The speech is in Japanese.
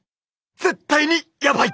絶対にやばい。